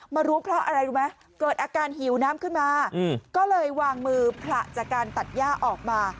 มารู้เพราะอะไรรู้ไหมเกิดอาการหิวน้ำขึ้นมาก็เลยวางมือผละจากการตัดย่าออกมา